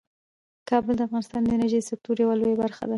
کابل د افغانستان د انرژۍ د سکتور یوه لویه برخه ده.